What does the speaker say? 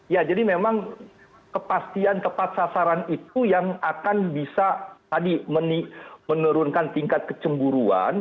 ya jadi memang kepastian tepat sasaran itu yang akan bisa tadi menurunkan tingkat kecemburuan